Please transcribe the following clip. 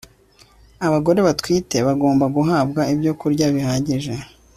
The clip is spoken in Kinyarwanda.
abagore batwite bagomba guhabwa ibyo kurya bihagije